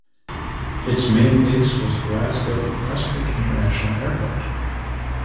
Its main base was Glasgow Prestwick International Airport.